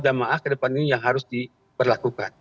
jemaah kedepan ini yang harus diperlakukan